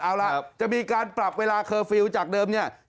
เอาล่ะจะมีการปรับเวลาเคอร์ฟิลล์จากเดิมเนี่ย